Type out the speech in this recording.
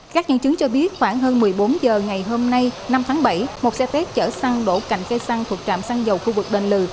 các nhân chứng cho biết khoảng hơn một mươi bốn h ngày hôm nay năm tháng bảy một xe phép chở xăng đổ cành cây xăng thuộc trạm xăng dầu khu vực đền lừ